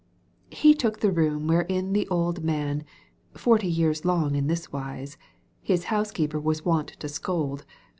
He took the room wherein the old Man — forty years long in this wise — His housekeeper was wont to scold.